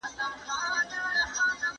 ویره د انسان د پرمختګ مخه نیسي.